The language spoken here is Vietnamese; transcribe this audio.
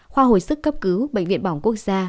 khoa hồi sức cấp cứu bệnh viện bỏng quốc gia